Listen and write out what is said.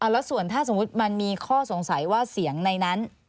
แล้วส่วนถ้าสมมุติมันมีข้อสงสัยว่าเสียงในนั้น